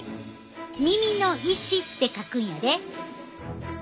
耳の石って書くんやで。